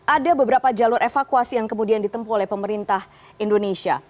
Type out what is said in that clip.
ada beberapa jalur evakuasi yang kemudian ditempuh oleh pemerintah indonesia